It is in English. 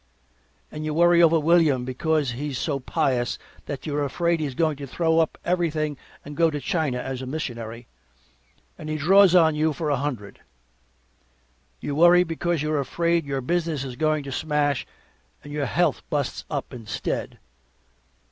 and you worry over William because he's so pious that you're afraid he's going to throw up everything and go to China as a missionary, and he draws on you for a hundred; you worry because you're afraid your business is going to smash, and your health busts up instead.